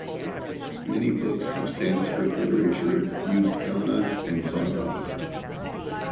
Many books of Sanskrit literature used ganas and sanghas.